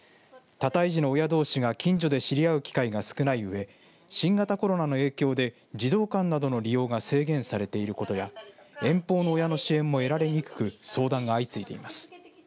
多胎児の親どうしが近所で知り合う機会が少ないうえ新型コロナの影響で児童館などの利用が制限されていることや遠方の親の支援も得られにくく相談が相次いでいます。